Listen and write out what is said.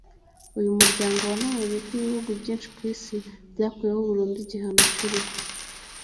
uyu muryango wanabonye ko ibihugu byinshi ku isi byakuyeho burundu igihano cy’urupfu